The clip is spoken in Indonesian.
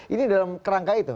ini dalam kerangka itu